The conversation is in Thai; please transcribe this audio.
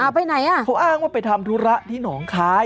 ไปไหนอ่ะเขาอ้างว่าไปทำธุระที่หนองคาย